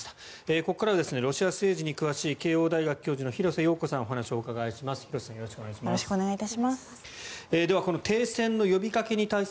ここからはロシア政治に詳しい慶應義塾大学の廣瀬陽子教授にお話をお伺いします。